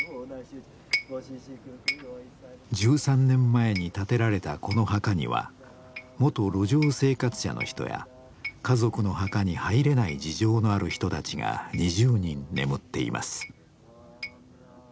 １３年前に建てられたこの墓には元路上生活者の人や家族の墓に入れない事情のある人たちが２０人眠っています。